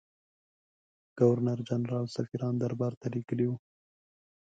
ګورنرجنرال سفیران دربارته لېږلي وه.